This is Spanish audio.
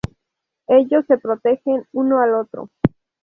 Ellos se protegen uno al otro.